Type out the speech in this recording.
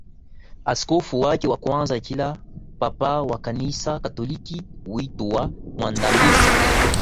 askofu wake wa kwanza Kila Papa wa Kanisa Katoliki huitwa mwandamizi